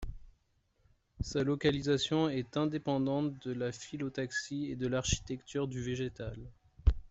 Sa localisation est indépendante de la phyllotaxie et de l’architecture du végétal.